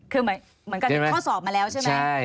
คือเหมือนกับข้อสอบมาแล้วใช่ไหม